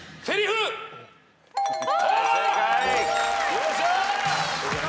よっしゃ！